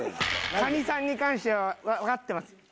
カニさんに関してはわかってます。